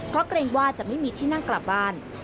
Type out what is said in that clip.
เพราะเกรงว่าจะไม่มีที่นั่งกลับบ้าน